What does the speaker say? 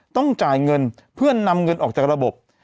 ต้องจ่ายเงินเพื่อนำเงินออกจากระบบ